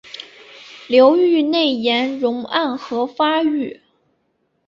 流域内岩溶暗河发育。